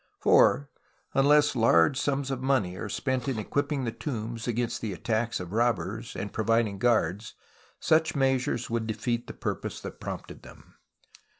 For, unless large sums of money are spent in equipping the tombs against the attacks of robbers and providing guards, such measures would defeat the purpose that prompted tliem.